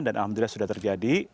dan alhamdulillah sudah terjadi